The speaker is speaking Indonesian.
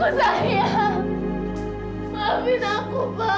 maafkan aku karena aku sayang sama mereka